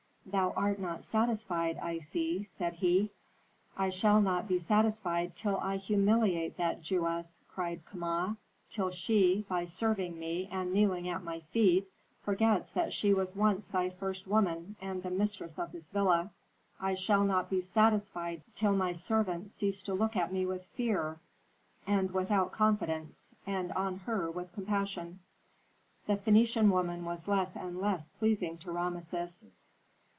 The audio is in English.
"Thou art not satisfied, I see," said he. "I shall not be satisfied till I humiliate that Jewess," cried Kama, "till she, by serving me and kneeling at my feet, forgets that she was once thy first woman and the mistress of this villa. I shall not be satisfied till my servants cease to look at me with fear and without confidence, and on her with compassion." The Phœnician woman was less and less pleasing to Rameses.